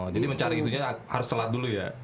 jadi mencari itunya harus sholat dulu ya